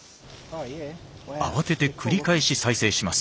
慌てて繰り返し再生します。